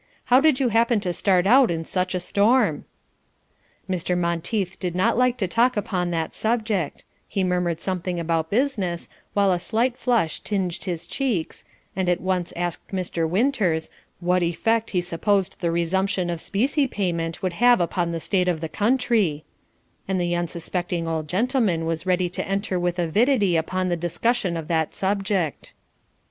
How did you happen to start out in such a storm?" Mr. Monteith did not like to talk upon that subject; he murmured something about "business," while a slight flush tinged his cheeks, and at once asked Mr. Winters "what effect he supposed the resumption of specie payment would have upon the state of the country," and the unsuspecting old gentleman was ready to enter with avidity upon the discussion of that subject.